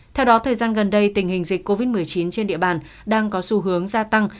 theo đó thời gian gần đây tình hình dịch covid một mươi chín trên địa bàn đang có xu hướng gia tăng